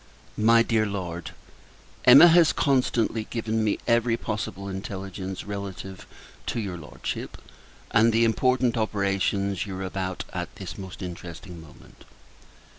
MY DEAR LORD, Emma has constantly given me every possible intelligence relative to your Lordship, and the important operations you are about at this most interesting moment.